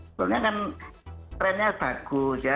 sebenarnya kan trennya bagus ya